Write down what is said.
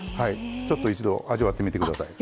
ちょっと一度味わってみてください。